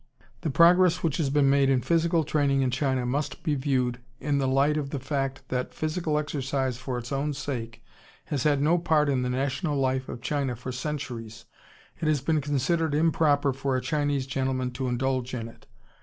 The progress which has been made in physical training in China must be viewed in the light of the fact that physical exercise for its own sake has had no part in the national life of China for centuries. It has been considered improper for a Chinese gentleman to indulge in it.